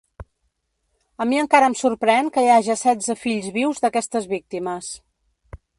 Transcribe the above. A mi encara em sorprèn que hi haja setze fills vius d’aquestes víctimes.